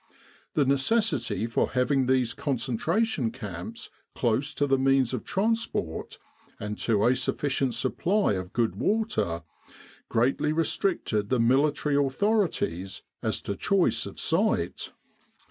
The necessity for having these con centration camps close to the means of transport, and to a sufficient supply of good water, greatly re* stricted the military authorities as to choice of site.